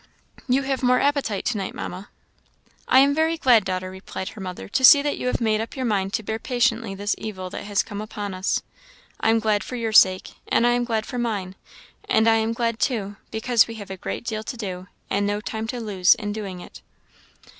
"You have more appetite to night, Mamma." "I am very glad, daughter," replied her mother, "to see that you have made up your mind to bear patiently this evil that has come upon us. I am glad for your sake, and I am glad for mine; and I am glad, too, because we have a great deal to do, and no time to lose in doing it."